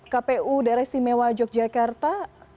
kpu daerah istimewa yogyakarta